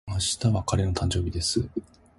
明後日は彼の誕生日です。